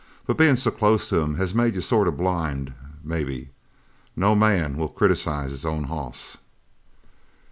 But bein' so close to him has made you sort of blind, maybe! No man will criticize his own hoss."